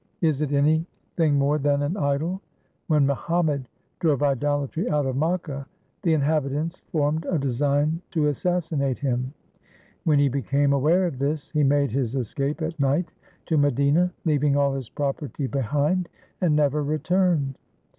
Is it anything more than an idol ? 1 When Muhammad drove idolatry out of Makka, the inhabitants formed a design to assassinate him. When he became aware of this, he made his escape at night to Madina, leaving all his property behind, and never returned.